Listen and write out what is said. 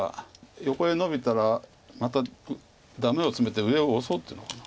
横へノビたらまたダメをツメて上をオソうというのかな。